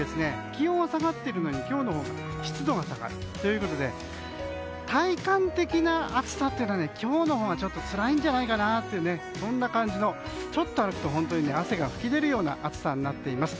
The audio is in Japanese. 気温は下がっているのに今日のほうが湿度が高いということで体感的な暑さというのは今日のほうがつらいんじゃないかというそんな感じの、ちょっと歩くと汗が噴き出るような暑さになっています。